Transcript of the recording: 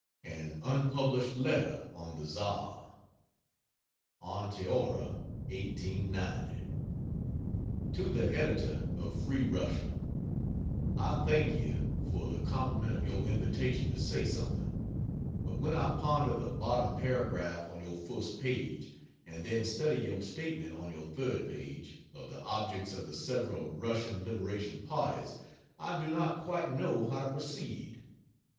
An unpublished letter on the Czar. ONTEORA, 1890. TO THE EDITOR OF FREE RUSSIA, I thank you for the compliment of your invitation to say something, but when I ponder the bottom paragraph on your first page, and then study your statement on your third page, of the objects of the several Russian liberation parties, I do not quite know how to proceed.